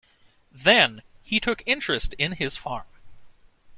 Then he took interest in his farm.